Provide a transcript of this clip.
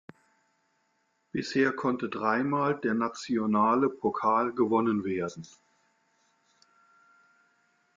Bisher konnte dreimal der nationale Pokal gewonnen werden.